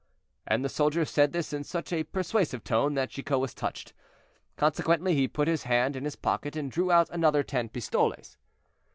And the soldier said this in such a persuasive tone, that Chicot was touched. Consequently he put his hand in his pocket and drew out another ten pistoles.